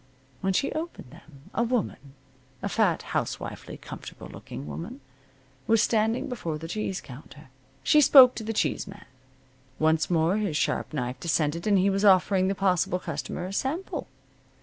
When she opened them a woman a fat, housewifely, comfortable looking woman was standing before the cheese counter. She spoke to the cheese man. Once more his sharp knife descended and he was offering the possible customer a sample.